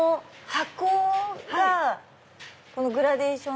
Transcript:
中身もグラデーション？